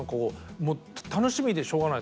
もう楽しみでしょうがない？